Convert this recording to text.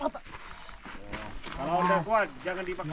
kalau udah kuat jangan dipakai